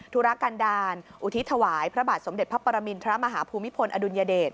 ธุรกันดาลอุทิศถวายพระบาทสมเด็จพระปรมินทรมาฮภูมิพลอดุลยเดช